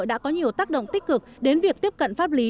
đã có nhiều tác động tích cực đến việc tiếp cận pháp lý